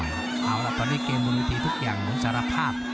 เอาล่ะตอนนี้เกมบนวิธีทุกอย่างเหมือนสารภาพ